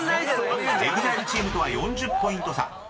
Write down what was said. ［ＥＸＩＬＥチームとは４０ポイント差。